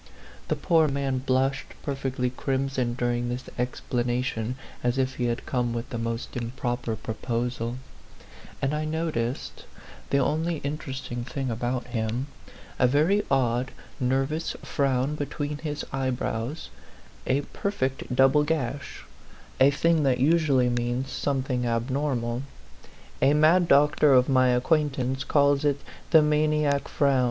The poor man blushed perfectly crimson during this explanation, as if he had come with the most improper proposal ; and I noticed the only interesting thing about him a very odd nervous frown between his eyebrows, a per fect double gash a thing that usually means something abnormal; a mad doctor of my acquaintance calls it the maniac frown.